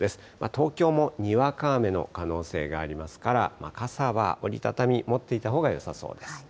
東京もにわか雨の可能性がありますから、傘は折り畳み持っていたほうがよさそうです。